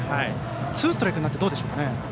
ツーストライクになってどうでしょうか。